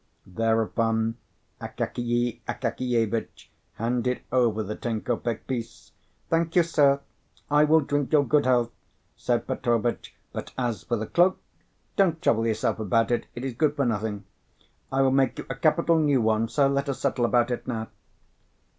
Thereupon Akakiy Akakievitch handed over the ten kopek piece. "Thank you, sir; I will drink your good health," said Petrovitch: "but as for the cloak, don't trouble yourself about it; it is good for nothing. I will make you a capital new one, so let us settle about it now."